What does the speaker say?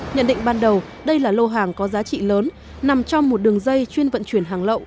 nhận định ban đầu đây là lô hàng có giá trị lớn nằm trong một đường dây chuyên vận chuyển hàng lậu